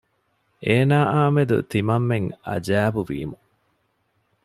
އޭނާއާމެދު ތިމަންމެން އަޖައިބު ވީމު